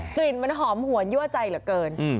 กลิ่นมันหอมหวนยั่วใจเหลือเกิน